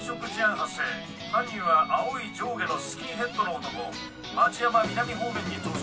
発生犯人は青い上下のスキンヘッドの男町山南方面に逃走。